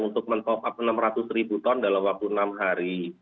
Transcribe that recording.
untuk men top up rp enam ratus dalam waktu enam hari